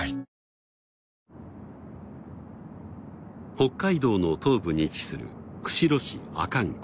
北海道の東部に位置する釧路市阿寒湖。